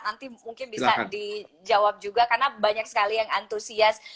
nanti mungkin bisa dijawab juga karena banyak sekali yang antusias